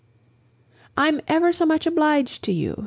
"I'm ever so much obliged to you!"